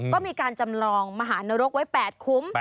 ก็มีการจำลองมหานรกไว้๘คุ้ม